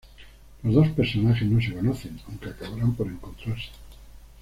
Los dos personajes no se conocen, aunque acabarán por encontrarse.